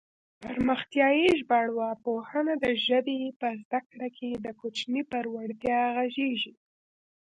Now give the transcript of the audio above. پرمختیایي ژبارواپوهنه د ژبې په زده کړه کې د کوچني پر وړتیا غږېږي